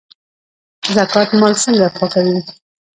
زکات مال څنګه پاکوي؟